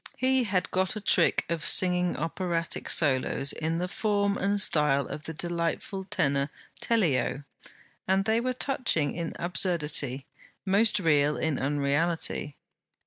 He had got a trick of singing operatic solos in the form and style of the delightful tenor Tellio, and they were touching in absurdity, most real in unreality.